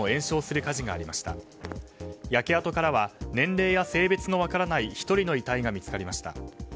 焼け跡からは年齢や性別の分からない１人の遺体が見つかりました。